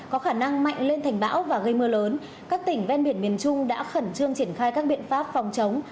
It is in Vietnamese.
có khả năng mạnh lên thành bão và gây mưa lớn các tỉnh ven biển miền trung đã khẩn trương triển khai các biện pháp phòng chống